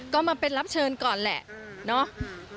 ก็มาเป็นรับเชิญก่อนแหละเนาะ